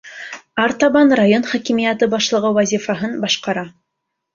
Артабан район хакимиәте башлығы вазифаһын башҡара.